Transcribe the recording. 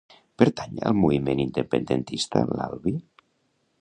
Pertany al moviment independentista l'Albi?